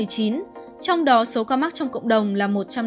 trong đó số ca mắc trong cộng đồng là một trăm năm mươi ba ca